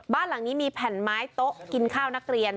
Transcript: บ้านหลังนี้มีแผ่นไม้โต๊ะกินข้าวนักเรียน